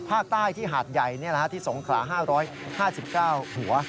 ภาคใต้ที่หาดใหญ่ที่สงขลา๕๕๙หัว